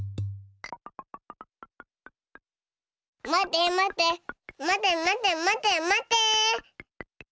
まてまてまてまてまてまて。